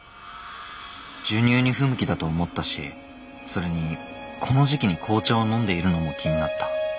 授乳に不向きだと思ったしそれにこの時期に紅茶を飲んでいるのも気になった。